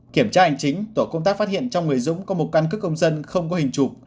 kiểm tra hành chính tổ công tác phát hiện trong người dũng có một căn cức công dân không có hình chụp